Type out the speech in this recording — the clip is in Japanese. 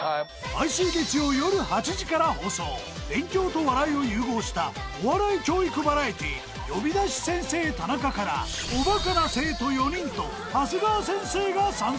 ［勉強と笑いを融合したお笑い教育バラエティー『呼び出し先生タナカ』からおバカな生徒４人と長谷川先生が参戦］